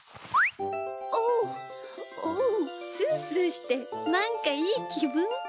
おっおうスースーしてなんかいいきぶん。